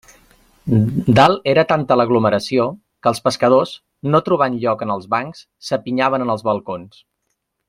Dalt era tanta l'aglomeració, que els pescadors, no trobant lloc en els bancs, s'apinyaven en els balcons.